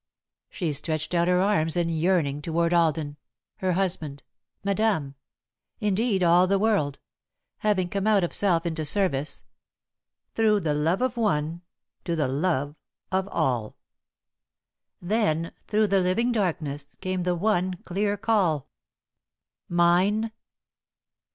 She stretched out her arms in yearning toward Alden, her husband, Madame indeed, all the world, having come out of self into service; through the love of one to the love of all. Then, through the living darkness, came the one clear call: "Mine?"